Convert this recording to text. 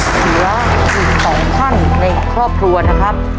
เสียอีก๒๐๐๐ในครอบครัวนะครับ